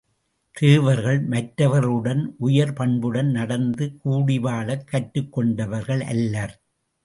தேவர்கள் மற்றவர்களுடன் உயர் பண்புடன் நடந்து கூடிவாழக் கற்றுக்கொண்டவர்கள் அல்லர்.